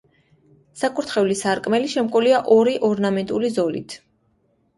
საკურთხევლის სარკმელი შემკულია ორი ორნამენტული ზოლით.